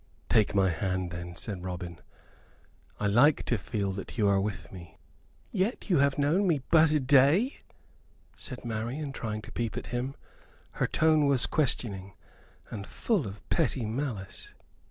"Take my hand then," said Robin; "I like to feel that you are with me." "Yet you have but known me a day," said Marian, trying to peep at him. Her tone was questioning and full of pretty malice.